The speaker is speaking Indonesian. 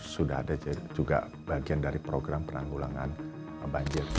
sudah ada juga bagian dari program penanggulangan banjir